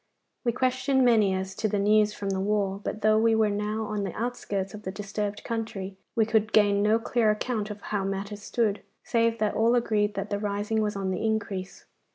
We questioned many as to the news from the war, but though we were now on the outskirts of the disturbed country, we could gain no clear account of how matters stood, save that all agreed that the rising was on the increase.